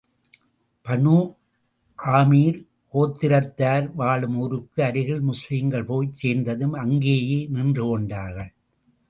Banu ஆமீர் கோத்திரத்தார் வாழும் ஊருக்கு அருகில் முஸ்லிம்கள் போய்ச் சேர்ந்ததும், அங்கேயே நின்று கொண்டார்கள்.